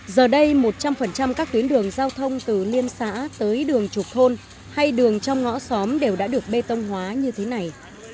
giờ đây một trăm linh các tuyến đường giao thông từ liên xã tới đường trục thôn hay đường trong ngõ xóm đều đã được bê tông hóa như thế này